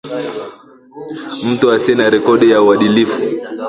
mtu asiye na rekodi ya uadilifu